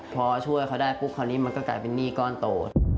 พอช่วยเขาได้ตอนนี้มันกลายเป็นหนี้ก้อนโต